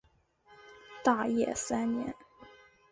大业三年。